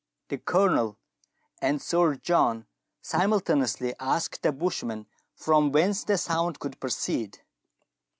The Colonel and Sir John simultaneously asked the bushman from whence the sound could proceed.